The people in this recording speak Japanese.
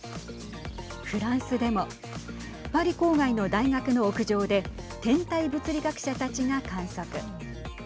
フランスでもパリ郊外の大学の屋上で天体物理学者たちが観測。